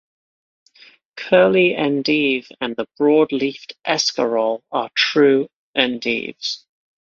Curly endive and the broad-leafed escarole are true endives.